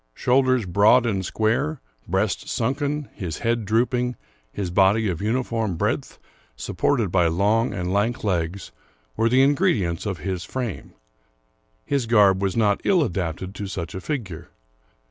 Shoul ders broad and square, breast sunken, his head drooping, his body of uniform breadth, supported by long and lank legs, were the ingredients of his frame. His garb was not ill adapted to such a figure.